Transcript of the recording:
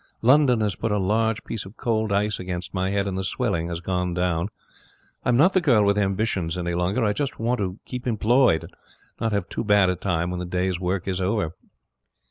London has put a large piece of cold ice against my head, and the swelling has gone down. I'm not the girl with ambitions any longer. I just want to keep employed, and not have too bad a time when the day's work is over.'